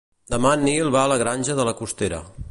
Demà en Nil va a la Granja de la Costera.